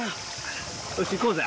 よし行こうぜ。